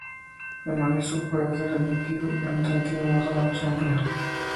El macizo puede ser entendido en sentido más o menos amplio.